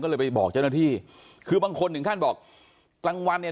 ก็เลยไปบอกเจ้าหน้าที่คือบางคนถึงขั้นบอกกลางวันเนี่ย